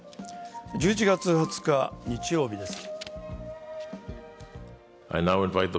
１１月２０日日曜日です。